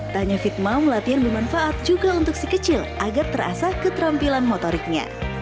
tanya fit mau latihan bermanfaat juga untuk si kecil agar terasa keterampilan motoriknya